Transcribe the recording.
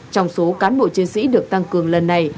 trong số cán bộ chiến sĩ được tăng cường lần này